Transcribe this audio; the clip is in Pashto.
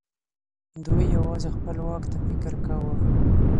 دوی يوازې خپل واک ته فکر کاوه.